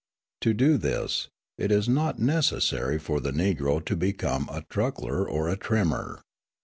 To do this, it is not necessary for the Negro to become a truckler or a trimmer.